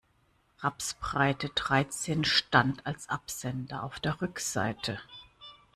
Rapsbreite dreizehn stand als Absender auf der Rückseite.